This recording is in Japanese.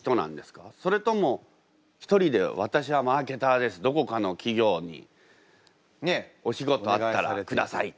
それとも１人で「私はマーケターです」。どこかの企業にね「お仕事あったら下さい」って。